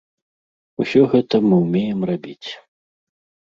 Усё гэта мы ўмеем рабіць.